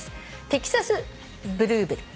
「テキサスブルーベル」